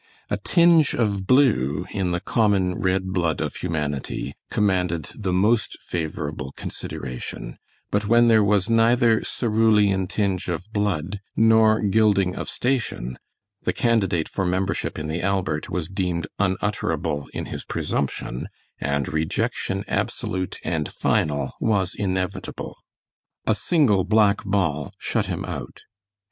A tinge of blue in the common red blood of humanity commanded the most favorable consideration, but when there was neither cerulean tinge of blood nor gilding of station the candidate for membership in the Albert was deemed unutterable in his presumption, and rejection absolute and final was inevitable. A single black ball shut him out.